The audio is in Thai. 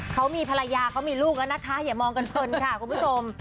เขามีภรรยาเขามีลูกแล้วนะคะอย่ามองกันเพลินค่ะคุณผู้ชม